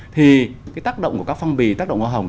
thì tác động của các phong bì tác động ngò hồng